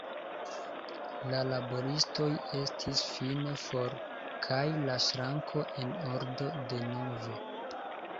La laboristoj estis fine for kaj la ŝranko en ordo denove.